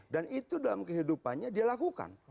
dan itu dalam kehidupannya dia lakukan